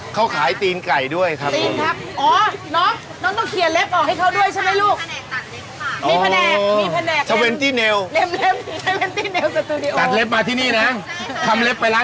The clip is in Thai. เขาขายตีนไก่ด้วยครับตีนครับโอน้องน้องต้องเขียนเล็บออกให้เขาด้วยนะใช่เลยลูก